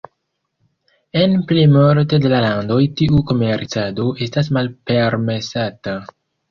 En plimulto de la landoj tiu komercado estas malpermesata.